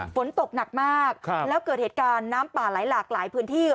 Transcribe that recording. ฝนตกหนักมากแล้วเกิดเหตุการณ์น้ำป่าไหลหลากหลายพื้นที่